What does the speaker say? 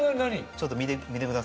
ちょっと見てみてください。